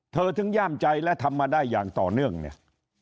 เธอถึงย่ามใจและทำมาได้อย่างต่อเนื่องเนี่ย